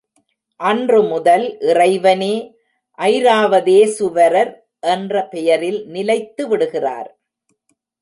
அன்று முதல் இறைவனே ஐராவதேசுவரர் என்ற பெயரில் நிலைத்து விடுகிறார்.